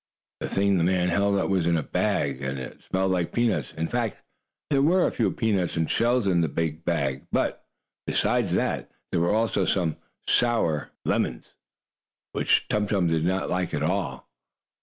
The thing the man held out was in a bag, and it smelled like peanuts. In fact, there were a few peanuts, and shells, in the bag but, besides that, there were also some sour lemons, which Tum Tum did not like at all.